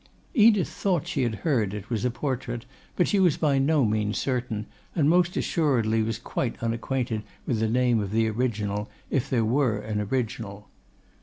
Edith thought she had heard it was a portrait, but she was by no means certain, and most assuredly was quite unacquainted with the name of the original, if there were an original.